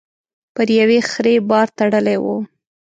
پر يوې خرې بار تړلی و.